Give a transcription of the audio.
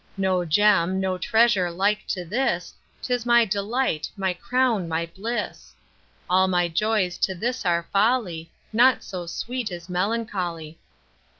No Gem, no treasure like to this, 'Tis my delight, my crown, my bliss. All my joys to this are folly, Naught so sweet as melancholy.